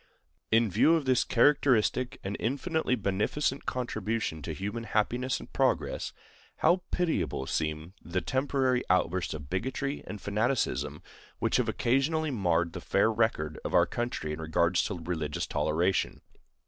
In view of this characteristic and infinitely beneficent contribution to human happiness and progress, how pitiable seem the temporary outbursts of bigotry and fanaticism which have occasionally marred the fair record of our country in regard to religious toleration!